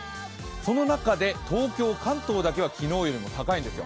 その中で東京、関東だけは昨日よりも高いんです。